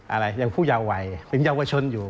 อะไรยังผู้เยาวัยเป็นเยาวชนอยู่